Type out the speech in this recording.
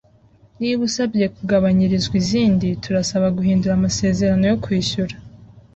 Niba usabye kugabanyirizwa izindi, turasaba guhindura amasezerano yo kwishyura.